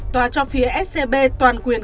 tòa cho phía scb toàn quyền